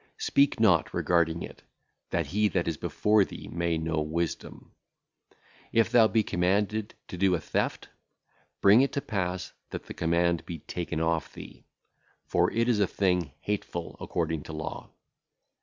Speak not regarding it, that he that is before thee may know wisdom. If thou be commanded to do a theft, bring it to pass that the command be taken off thee, for it is a thing hateful according to law.